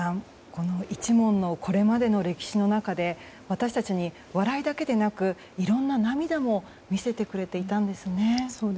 この一門のこれまでの歴史の中で私たちに笑いだけでなくいろんな涙も見せてくれていたんですね。